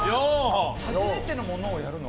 初めてのものをやるの？